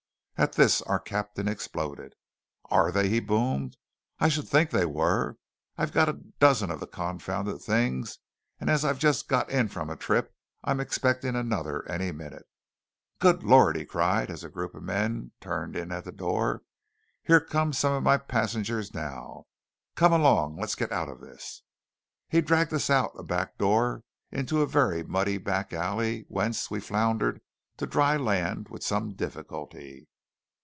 At this our captain exploded. "Are they?" he boomed. "I should think they were! I've got a dozen of the confounded things; and as I've just got in from a trip, I'm expecting another any minute. Good Lord!" he cried as a group of men turned in at the door. "Here come some of my passengers now. Come along, let's get out of this!" He dragged us out a back door into a very muddy back alley, whence we floundered to dry land with some difficulty.